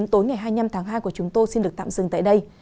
tối ngày hai mươi năm tháng hai của chúng tôi xin được tạm dừng tại đây